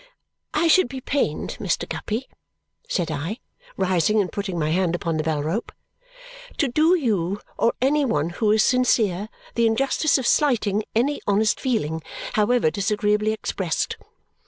"I should be pained, Mr. Guppy," said I, rising and putting my hand upon the bell rope, "to do you or any one who was sincere the injustice of slighting any honest feeling, however disagreeably expressed.